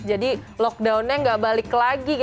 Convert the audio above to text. jadi lockdownnya tidak balik lagi